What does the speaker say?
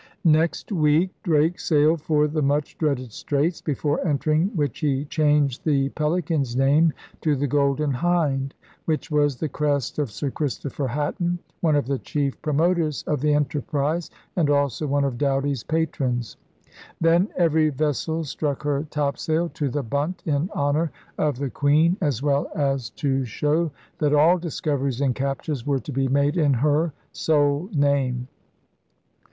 Next week Drake sailed for the much dreaded Straits, before entering which he changed the Pelican's name to the Golden Hind, which was the crest of Sir Christopher Hatton, one of the chief pro moters of the enterprise and also one of Doughty's patrons. Then every vessel struck her topsail to the bunt in honor of the Queen as well as to 128 ELIZABETHAN SEA DOGS show that all discoveries and captures were to be made in her sole name.